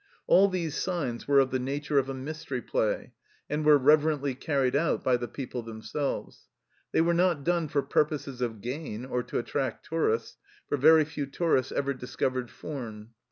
All these sights were of the nature of a mystery play, and were reverently carried out by the people themselves : they were not done for purposes of gain or to attract tourists, for very few tourists ever discovered Fumes.